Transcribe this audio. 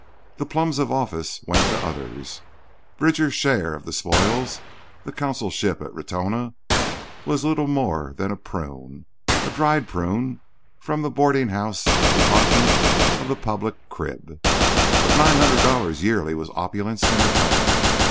The plums of office went to others. Bridger's share of the spoils—the consulship at Ratona—was little more than a prune—a dried prune from the boarding house department of the public crib. But $900 yearly was opulence in Ratona.